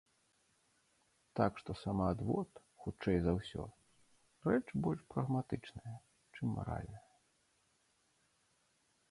Так што самаадвод, хутчэй за ўсё, рэч больш прагматычная, чым маральная.